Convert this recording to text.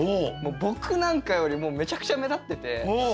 僕なんかよりもめちゃくちゃ目立ってて。